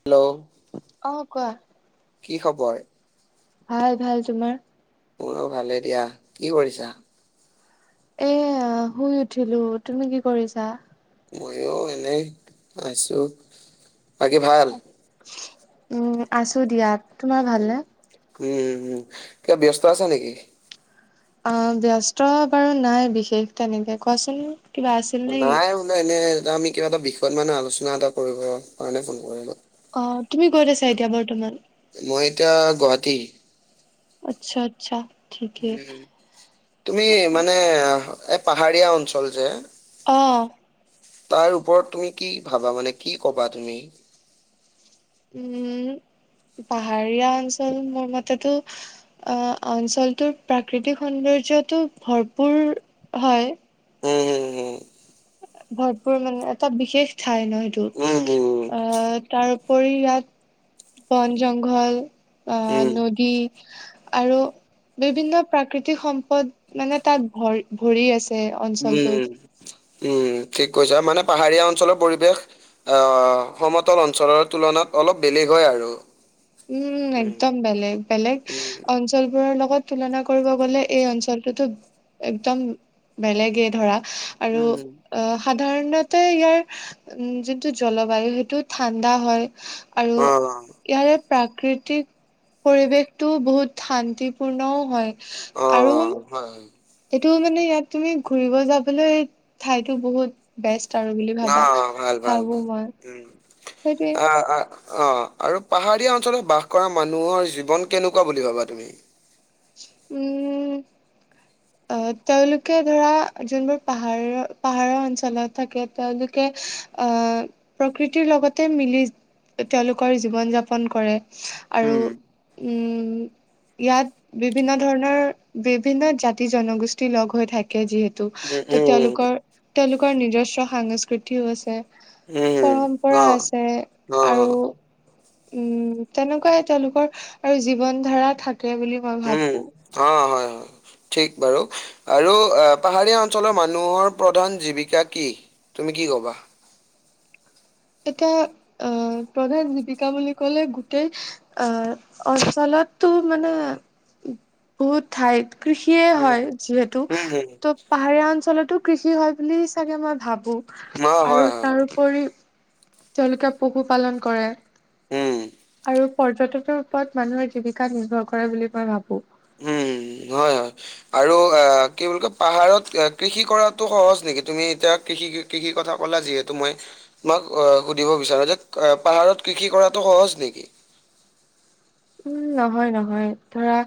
Hello অ' কোৱা। কি খবৰ? ভাল ভাল তোমাৰ? মোৰো ভালে দিয়া, কি কৰিছা? এয়া শুই উঠিলো তুমি কি কৰিছা? ময়ো এনেই আহিছো বাকী ভাল? উম আছো দিয়া, তোমাৰ ভালনে? উম, হম কিবা ব্যস্ত আছা নেকি? অ' ব্যস্ত বাৰু নাই বিশেষ তেনেকে কোৱাচোন। কিবা আছিল নেকি নাই হোলে এনে এ আমি কিবা এটা বিষয়ত মানে আলোচনা এটা কৰিব কাৰণে ফোন কৰিলো। অ' তুমি ক'ত আছা এতিয়া বৰ্তমান? মই এতিয়া গুৱাহাটী। আচ্ছা-আচ্ছা। উ' তুমি মানে এ পাহাৰীয়া অঞ্চল যে অ'। তাৰ ওপৰত তুমি কি ভাবা মানে কি কবা তুমি? উম পাহাৰীয়া অঞ্চল মোৰ মতেতো [inaudible] অ' অঞ্চলটোৰ প্ৰাকৃতিক সৌন্দৰ্যটো ভৰপূৰ হয়। উম' হুম-হুম। ভৰপুৰ মানে এটা বিশেষ ঠাই ন সটো উম, উম। উম, উম, অ' তাৰ উপৰি ইয়াত বন, জংঘল আ উম। নদী আৰু বিভিন্ন প্ৰাকৃতিক সম্পদ মানে তাত ভৰি, ভৰি আছে। অঞ্চলটোত। উম' উম' ঠিক কৈছা মানে পাহাৰীয়া অঞ্চলৰ পৰিৱেশ আহ সমতল অঞ্চলৰ তুলনাত অলপ বেলেগ হয় আৰু। উম, একদম বেলেগ, বেলেগ উম, অঞ্চলবোৰৰ লগ লগত তুলনা কৰিব গ'লে এই অঞ্চলটোতো একদম বেলেগেই ধৰা আৰু উম আ সাধাৰণতে ইয়াৰ উম যিটো জলবায়ু সেইটো ঠাণ্ডা হয়। আৰু অ', ইয়াৰ প্ৰাকৃতিক পৰিৱেশটোও বহুত শান্তিপূৰ্ণও হয়। অ', আৰু -অ' হয়। এইটো মানে ইয়াত তুমি ঘুৰিব যাবলৈ ঠাইতো বহুত বেষ্ট। আৰু বুলি ভাবা। অ' ভাল-ভাল ভাবো মই উম সেইটোৱে আ অ' আৰু পাহাৰীয়া অঞ্চলত বাস কৰা মানুহৰ জীৱন কেনেকুৱা বুলি ভাবা তুমি উম'। অ' তেওঁলোকে ধৰা যোনবোৰ পাহাৰৰ, পাহাৰৰ অঞ্চলত থাকে তেওঁলোকে আহ প্ৰকৃতিৰ লগতে মিলি তেওঁলোকৰ জীৱন- যাপন কৰে। আৰু উম, উম ইয়াত বিভিন্ন ধৰণৰ বিভিন্ন জাতি-জনগোষ্ঠী লগ হৈ থাকে যিহেতু উম, ত উম, তেওঁলোকৰ তেওঁলোকৰ নিজস্ব সংস্কৃতিও আছে। উম, পৰম্পৰা অ', আছে আৰু অ', উম তেনেকুৱাই তেওঁলোকৰ আৰু জীৱন ধাৰা থাকে বুলি। অ মই উম, ভাবো। অ', হয় হয়। ঠিক বাৰু আৰু পাহাৰীয়া অঞ্চলৰ মানুহৰ প্ৰধান জীৱিকা কি। তুমি কি কবা। এতিয়া আহ প্ৰধান জীৱিকা বুলি ক'লে গোটেই আহ অঞ্চলত তাতো মানে বহুত ঠাই কৃষিয়ে উম। হয় যিহেতু উম, হুম। ত' পাহাৰীয়া অঞ্চলতো কৃষি হয় বুলি চাগে মই ভাবো অ', হয়, আৰু হয়, হয়। তাৰপৰি তেওঁলোকে পশুপালন কৰে উম, আৰু পৰ্যটনৰ ওপৰত মানুহৰ জীৱিকা নিৰ্ভৰ কৰে বুলি মই ভাবো। উম'। উ হয় হয়, আৰু আ' কি বুলি কয় পাহাৰত কৃষি কৰাতো সহজ নেকি? তুমি এতিয়া, কৃষি কৃষি কথা কলা যিহেতু মই তোমাক অ' সুধিব বিচাৰো যে, পাহাৰত কৃষি কৰাটো সহজ নেকি? উম, নহয় নহয়। ধৰা,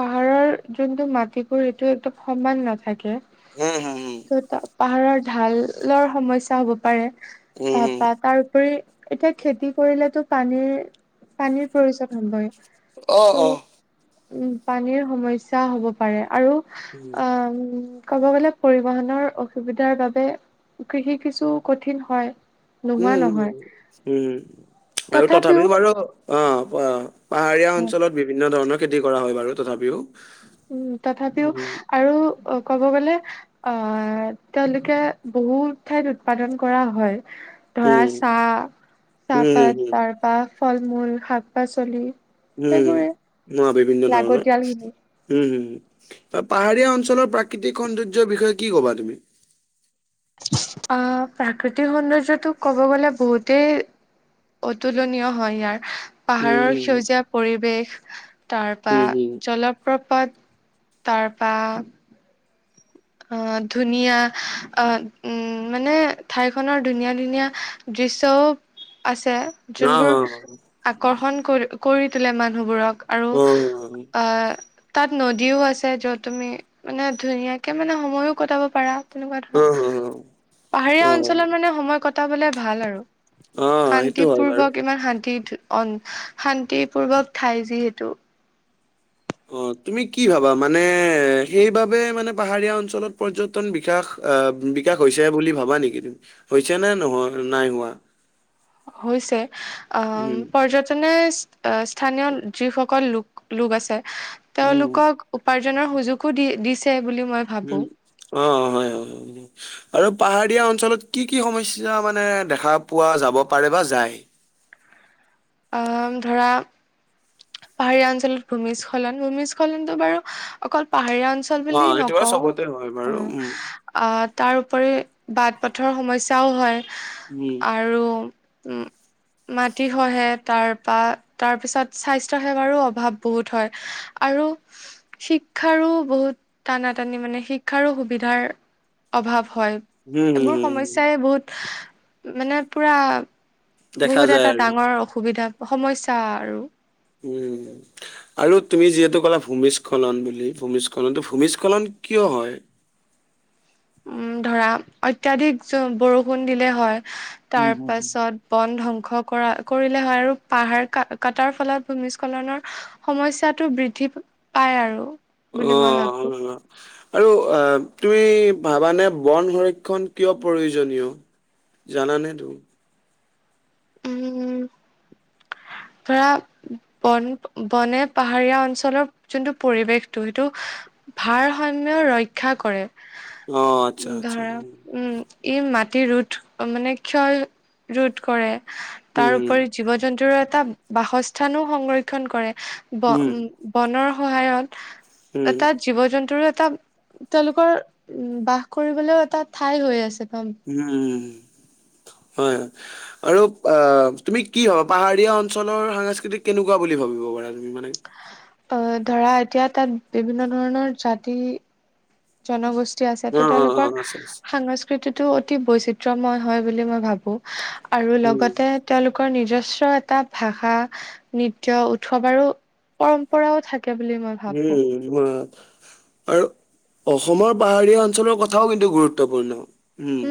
পাহাৰৰ যোনটো মাটিবোৰ এইটো একদম সমান নাথাকে। হম হম হম। ত' তা পাহাৰৰ ঢালৰ সমস্যা হ'ব পাৰে, উম, হুম। তাৰপা তাৰোপৰি, এতিয়া খেতি কৰিলেতো পানীৰ পানীৰ প্ৰয়োজন হবই। অ' ত' অ'। উম, পানীৰ সমস্যা হ'ব পাৰে। আৰু উম, আ ক'ব গ'লে, পৰিবহনৰৰ অসুবিধাৰ বাবে কৃষি কিছু কঠিন হয়। নোহোৱা উম নহয় উম উম, আৰু তথাপিও বাৰু। অ' অ'। পাহাৰীয়া অ অঞ্চলত বিভিন্ন ধৰণৰ খেতি কৰা হয় বাৰু তথাপিও। উম, তথাপিও উম, আৰু অ' কব গ'লে আহ তেওঁলোকে বহুত ঠাইত উৎপাদন কৰা হয়। ধৰা, উম, উম, চাহ-চাহপাত উম, তাৰপা ফল-মূল শাক-পাচলি। উম, বিভিন্ন ধৰণৰ। লাগতিয়ালখিনি হম, হম! পাহাৰীয়া অঞ্চলৰ প্ৰাকৃতিক সৌন্দৰ্যৰ বিষয়ে কি কবা তুমি? আহ, প্ৰাকৃতিক সৌন্দৰ্যটো ক'ব গলে বহুতেই অতুলনীয় হয় ইয়াৰ উম, পাহাৰৰ উম, সেউজীয়া পৰিৱেশ তাৰপৰা উম, হুম। জলপ্ৰপাত তাৰপৰা অ ধুনীয়া অ উম মানে ঠাই খনৰ ধুনীয়া ধুনীয়া দৃশ্যও আছে অ', যোনবোৰ অ', আকৰ্ষণ কৰি কৰি তোলে মানুহবোৰক আৰু অ', অ তাত নদীও আছে যত তুমি মানে ধুনীয়া ত মানে সময়ো কটাব পাৰা তেনেকুৱা ধৰা অ', পাহাৰীয়া অ', অ', অঞ্চলত মানে সময় ক পটাবলে ভাল আৰু অ', সেইটো শান্তি হয় বাৰু। পূৰ্বক ইমান শান্তি অ শান্তিপূৰ্বক ঠাই যিহেতু অ তুমি কি ভাবা মানে সেইবাবে মানে পাহাৰীয়া অঞ্চলত পৰ্যটন বিকাশ আহ বিকাশ হৈছে বুলি ভাবা নেকি হৈছে নে নাই হোৱা হৈছে আহ উম, পৰ্যটনে স্থানীয় যিসকল লোক লোক আছে উম, তেওঁলোকক উপাৰ্জনৰ সুযোগো দি দিছে বুলি মই ভাবো উম অ হয় হয়। আৰু পাহাৰীয়া অঞ্চলত কি কি সমস্যা মানে দেখা পোৱা যাব পাৰে বা যায়? ধৰা পাহাৰীয়া অঞ্চলত ভূমিস্খলন ভূমিস্খলনতটো বাৰু অকল পাহাৰীয়া অঞ্চল অ বুলি সেইটো বাৰু নকওঁ চবতে হয় অ বাৰু উম আহ তাৰ উপৰি বাট-পথৰ সমস্যাও হয় উম আৰু উম মাটি সহে‌‌। তাৰপা তাৰপিছত স্বাস্থ্য সেৱাৰো অভাৱ বহুত হয় আৰু শ শিক্ষাৰো বহুত টানা-টানি মানে শিক্ষাৰো সুবিধাৰ অভাৱ। হয় এইবোৰ উম সমস্যাই বহুত মানে পুৰা দেখা বহুত যায় এটা আৰু ডাঙৰ অসুবিধা সমস্যা আৰু। উম আৰু তুমি যিহেতু ক'লা ভূমিস্খলন বুলি, ভূমিস্খলন ভূমিস্খলন কিয় হয়? উম ধৰা অত্যাধিক বৰষুণ দিলে হয়। উম তাৰ হুম পাছত বন ধংস কৰা কৰিলে হয় আৰু পাহাৰ ক কাটাৰ ফলত ভূমিস্খলনৰ সমস্যাটো বৃদ্ধি পায় আৰু। অ বুলি মই ভাবো অ আৰু আহ তুমি ভাৱানে বন সংৰক্ষণ কিয় প্ৰয়োজনীয়? জানা নে তো? উম। ধৰা বন বনে পাহাৰীয়া অঞ্চলৰ যোনটো পৰিৱেশটো সেইটো ভাৰসাম্য ৰক্ষা কৰে। অ আচ্ছা আচ্ছা ধৰা উম এই ম ৰোধ মানে ক্ষয় ৰোধ কৰে উম তাৰোপৰি জীৱ-জন্তুৰো এটা বাসস্থানো সংৰক্ষন কৰে ব অ উম বনৰ সহায়ত উম এটা জীৱ-জন্তুৰ এটা এটা তেওঁলোকৰ বাস কৰিবলৈও এটা ঠাই হৈ আছে। বা উম। হয় আৰু অ তুমি কি হবা পাহাৰীয়া অঞ্চলৰ সাংস্কৃতিক কেনেকুৱা বুলি ভাৱা? [unintelligible] অ ধৰা এতিয়া তাত বিভিন্ন ধৰণৰ জাতি-জনগোষ্ঠী আছে অ ত অ তেওঁলোকৰ অ আছে আছে সংস্কৃতিটো অতি বৈচিত্ৰময় হয় বুলি মই ভাবোঁ। আৰু উম লগতে তেওঁলোকৰ নিজস্ব এটা ভাষা, নৃত্য, উৎসৱ আৰু পৰম্পৰাও থাকে। বুলি মই উম ভাবো নিম আৰু অসমৰ পাহাৰীয়া অঞ্চলৰ কথাও কিন্তু গুৰুত্বপূৰ্ণ।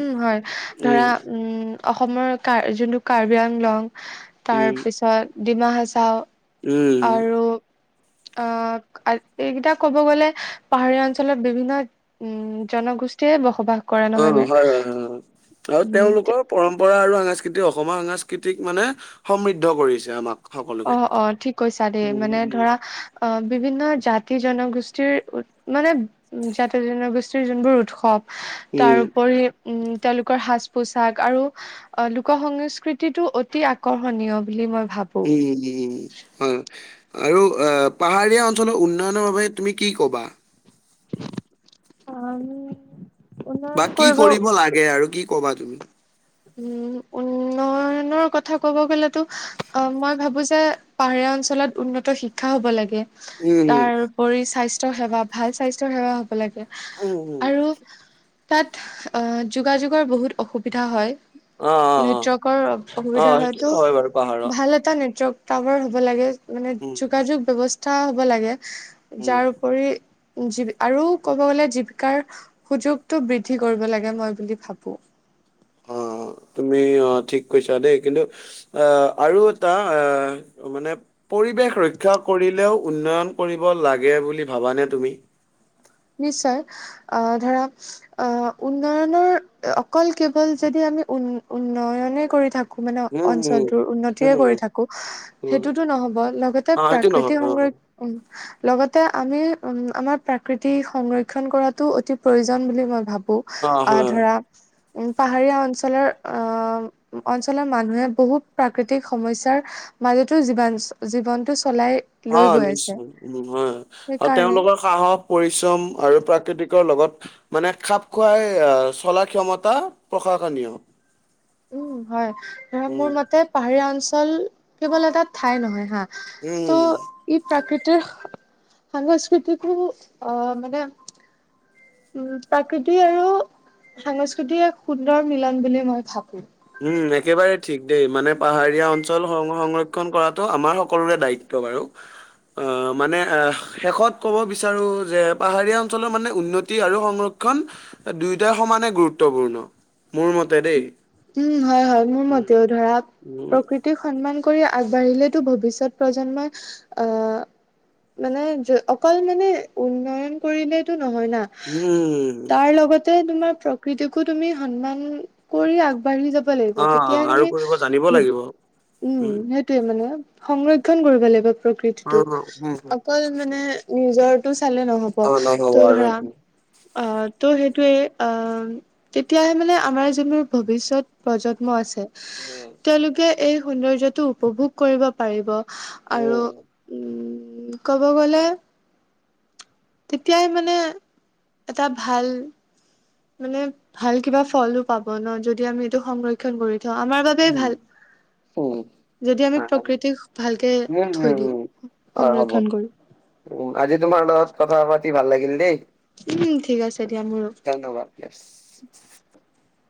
উম হয় উম ধৰা উম অসমৰ কাৰ যোনটো কাৰ্বি আংলং তাৰ উম পিছত ডিমা হাছাও। উম। অ এইকেইটা ক'ব গ'লে পাহাৰীয়া অঞ্চলত বিভিন্ন উম জনগোষ্ঠী বসবাস কৰা অ নহয় নে? হয় হয় হয় আৰু উম তেওঁলোকৰ পৰম্পৰা আৰু সাস্কৃতি অসমৰ সাংস্কৃতিক মানে সমৃদ্ধ কৰিছে আমাক অ সকলোকে অ ঠিক কৈছা দেই উম মানে উম ধৰা অ বিভিন্ন জাতি- জনগোষ্ঠী। মানে জাতি-জনগোষ্ঠীৰ যোনবোৰ উৎসৱ উম তাৰোপৰি উম তেওঁলোকৰ সাজ পোছাক আৰু অ লোক সংস্কৃতিতটো অতি আকৰ্ষণীয় বুলি মই ভাবো। উম উম উম হয়। আৰু আহ পাহাৰীয়া অঞ্চলৰ উন্নয়নৰ বাবে তুমি কি কবা? [unintelligible] বা কি কৰিব লাগে আৰু কি কবা তুমি? উম, উন্নয়নৰ কথা কব গলেতো অ মই ভাবো যে পাহা গাওঁ অঞ্চলত উন্নত শিক্ষা হব লাগে। উম তাৰপৰি স্বাস্থ্য সেৱা ভাল স্বাস্থ্য সেৱা হব লাগে উম উম উম আৰু তাত অ যোগাযোগৰ বহুত অসুবিধা হয়। অ অ অ নেটৱৰ্কৰ অ অসুবিধা হয়তো, সেইটোতো হয় বাৰু পাহাৰত ভাল এটা নেটৱৰ্ক টাৱাৰ হ'ব লাগে মানে উম যোগাযোগ ব্যৱস্থা হ'ব লাগে উম যাৰ উপৰি জীৱিকাৰ আৰু ক'ব গ'লে জীৱিকাৰ সুযোগটো বৃদ্ধি কৰিব লাগে মই বুলি ভাবো। অ। তুমি ঠিক কৈছা দেই, কিন্তু আৰু এটা মানে পৰিৱেশ পৰিৱেশ ৰক্ষা কৰিলেও উন্নয়ন কৰিব লাগে বুলি ভাবানে তুমি? নিশ্চয়, আহ ধৰা অ উন্নয়নৰ অকল কেৱল যদি - আমি উ উন্নয়নে কৰি থাকো মানে উম উম অঞ্চলটোৰ উন্নতিয়ে উম কৰি থাকো উম সেইটোতো নহ'ব লগতে অ সেইটো নহয় প্ৰাকৃতিক অ সংৰক্ষণ উন্নয়ন লগতে আমি আমাৰ প্ৰকৃতিক সংৰক্ষণ কৰাটো অতি প্ৰয়োজন বুলি মই ভাবোঁ। অ আহ হয় ধৰা উম, পাহাৰীয়া অঞ্চলৰ আহ অঞ্চলৰ মানুহে বহুত প্ৰাকৃতিক সমস্যাৰ মাজতো জীবাঞ্চল জীৱনটো চলাই লৈ অ' গৈ আছে নিশ্চয়। উম, হয় আৰু সেইকাৰণে তেওঁলোকৰ সাহস পৰিশ্ৰম পৰিশ্ৰম আৰু প্ৰাকৃতিকৰ লগত মানে খাপ খুৱাই আহ চলা ক্ষমতা প্ৰশাসনীয় নিয়ম উম, হয় ধৰা মোৰ মতে পাহাৰীয়া অঞ্চল কেৱল এটা ঠাই নহয়। হা তোৰ উম ই প্ৰাকৃতিক তোৰ সাংস্কৃতিকো অ' মানে উম, প্ৰাকৃতি আৰু সাংস্কৃতিক এক সুন্দৰ মিলন বুলি মই ভাবোঁ। উম, একেবাৰেই ঠিক দেই। মানে পাহাৰীয়া অঞ্চল সং সংৰক্ষণ কৰাটো আমাৰ সকলোৰে দায়িত্ব তো বাৰু। অ' মানে শেষত ক'ব বিচাৰো যে পাহাৰীয়া অঞ্চলৰ মানে উন্নতি আৰু সংৰক্ষণ ক্ষণ দুয়োটাই সমানে গুৰুত্বপূৰ্ণ মোৰ মতে দেই। উম, হয়, হয়। মোৰ উম, মতেও ধৰা উম, প্ৰকৃতিক সন্মান কৰি আগবাঢ়িলেতো ভৱিষ্যত প্ৰজন্মই আহ মানে য অকল মানে উন্নয়ন কৰিলেতো নহয় না উম, তাৰ লগত তে তোমাৰ প্ৰকৃতিকো তুমি সন্মান কৰি আগবাঢ়ি যাব লাগিব। তেতিয়া অ' আৰু তুমি কৰিব জানিব লাগিব। উম, উম, সেইটোয়ে মানে সংৰক্ষণ কৰিব লাগিব অ প্ৰকৃতিটোক উম, অকল মানে নিজৰ চালে নহ'ব। অ' নহ'ব তোৰ আৰু ধৰা অ' তোৰ সেইটোৱে অ' তেতিয়াহে মানে আমাৰ তোৰ মোৰ ভৱিষ্যত প্ৰজন্ম আছে। উম। তেওঁলোকে এই সৌন্দৰ্য্যটো উপভোগ কৰিব পাৰিব আৰু উম উম, ক'ব গ'লে। তেতিয়াই মানে এটা ভাল মানে ভাল কিবা ফলো পাব ন যদি আমি এইটো সংৰক্ষণ কৰিম। তো আমাৰ বাবে ভাল। যদি আমি প্ৰকৃতিক ভালকে থৈ দিওঁ হ'ব। সংৰক্ষন কৰি। উম, আজি তোমাৰ লগত কথা পাতি ভাল লাগিল দেই। উম, ঠিক আছে দিয়া মোৰো। [inaudible]